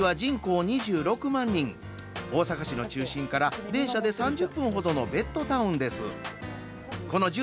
八尾市は人口２６万人大阪市の中心から電車で３０分ほどのベッドタウンです。